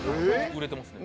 売れてますね。